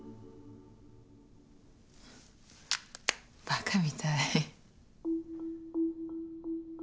バカみたい。